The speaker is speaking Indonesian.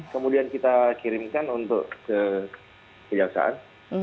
kemudian kita kirimkan untuk ke kejaksaan